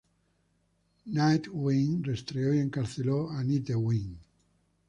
Nightwing rastreó y encarceló a Nite-Wing.